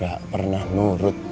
gak pernah nurut